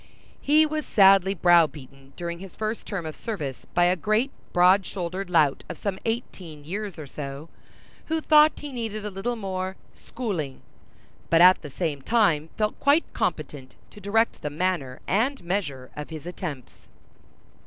He was sadly brow beaten during his first term of service by a great broad shouldered lout of some eighteen years or so, who thought he needed a little more "schooling," but at the same time felt quite competent to direct the manner and measure of his attempts.